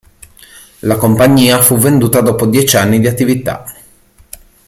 La compagnia fu venduta dopo dieci anni di attività.